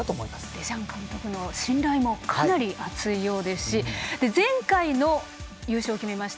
デシャン監督の信頼もかなり熱いですし前回の優勝も決めました。